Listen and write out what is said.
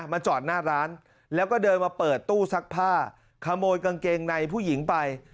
จอดหน้าร้านแล้วก็เดินมาเปิดตู้ซักผ้าขโมยกางเกงในผู้หญิงไป